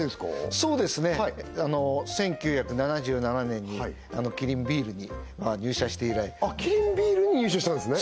そうですね１９７７年にキリンビールに入社して以来あっキリンビールに入社したんですね